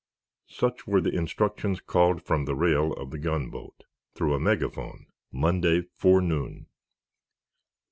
Such were the instructions called from the rail of the gunboat, through a megaphone, Monday forenoon.